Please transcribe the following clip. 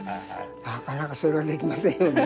なかなかそれはできませんよね